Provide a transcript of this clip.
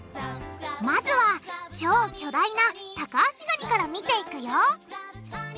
まずは超巨大なタカアシガニから見ていくよ。